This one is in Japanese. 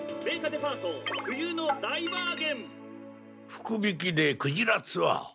福引でクジラツアー。